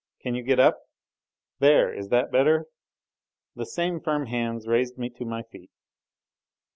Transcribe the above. Can you get up? There! Is that better?" The same firm hands raised me to my feet.